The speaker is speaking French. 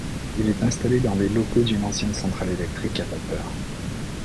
Il est installé dans les locaux d’une ancienne centrale électrique à vapeur.